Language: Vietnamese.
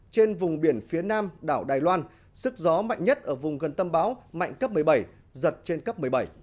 trên vùng biển phía nam đảo đài loan sức gió mạnh nhất ở vùng gần tâm bão mạnh cấp một mươi bảy giật trên cấp một mươi bảy